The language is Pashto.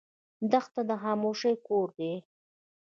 دښته د خاموشۍ کور دی.